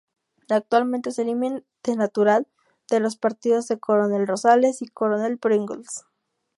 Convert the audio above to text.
Actualmente es el límite natural de los partidos de Coronel Rosales y Coronel Pringles.